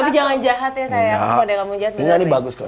jadi tau loh